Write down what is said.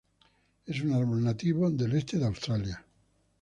Es un árbol nativo del este de Australia.